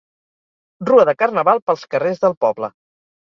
Rua de Carnaval pels carrers del poble.